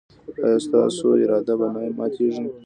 ایا ستاسو اراده به نه ماتیږي؟